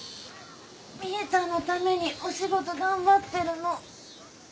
みぃたんのためにお仕事頑張ってるの。